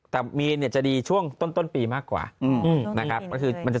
แต่มีเนี่ยจะดีช่วงต้นต้นปีมากกว่านะครับก็คือมันจะ